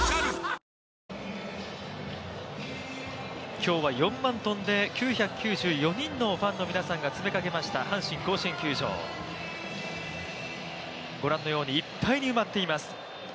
今日は４万９９４人のファンが詰めかけました阪神甲子園球場、ご覧のようにいっぱいに埋まっています。